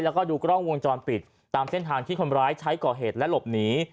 แล้วก็ดูกล้องวงจรปิดตามเส้นทางที่คนร้ายใช้ก่อเหตุและหลบหนี